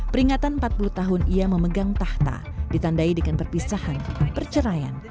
peringatan empat puluh tahun ia memegang tahta ditandai dengan perpisahan tentang perceraian